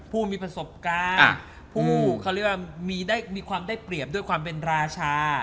ผู้มีประสบการณ์ผู้เขาเรียกว่ามีความได้เปรียบด้วยความเป็นราชา